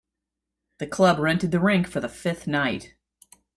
The club rented the rink for the fifth night.